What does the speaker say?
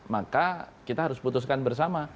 maka kita harus putuskan bersama